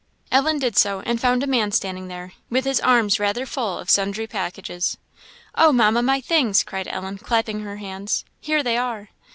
Ellen did so, and found a man standing there, with his arms rather full of sundry packages. "Oh, Mamma, my things!" cried Ellen, clapping her hands; "here they are!"